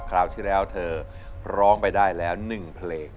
คราวที่แล้วเธอร้องไปได้แล้ว๑เพลง